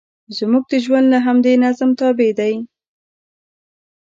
زموږ ژوند د همدې نظم تابع دی.